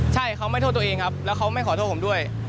ใช่เขาไม่โทษตัวเองครับแล้วเขาไม่ขอโทษผมด้วย